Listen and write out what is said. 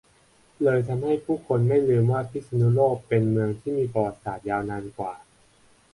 เลยทำให้ผู้คนไม่ลืมว่าพิษณุโลกเป็นเมืองที่มีประวัติศาสตร์ยาวนานกว่า